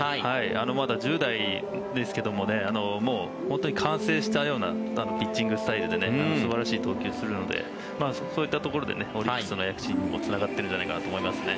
まだ１０代ですけどもう本当に完成したようなピッチングスタイルで素晴らしい投球をするのでそういったところでオリックスの躍進にもつながっているんじゃないかと思いますね。